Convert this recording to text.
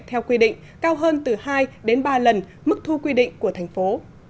theo quy định cao hơn từ hai đến ba lần mức thu quy định của thành phố